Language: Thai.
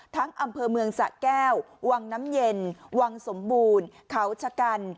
อำเภอเมืองสะแก้ววังน้ำเย็นวังสมบูรณ์เขาชะกัน